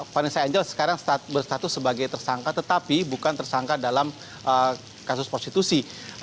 vanessa angel sekarang berstatus sebagai tersangka tetapi bukan tersangka dalam kasus prostitusi